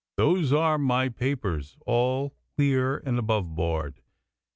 Those are my papers, all clear and aboveboard.